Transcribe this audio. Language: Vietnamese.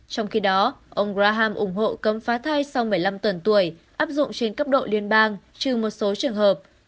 trong khi đó ông praham ủng hộ cấm phá thai sau một mươi năm tuần tuổi áp dụng trên cấp độ liên bang trừ một số trường hợp